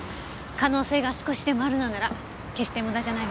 可能性が少しでもあるのなら決して無駄じゃないわ。